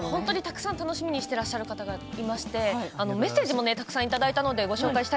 楽しみにしていらっしゃる方がたくさんいましてメッセージもたくさんいただいています。